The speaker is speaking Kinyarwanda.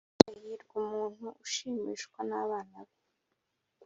Hahirwa umuntu ushimishwa n’abana be,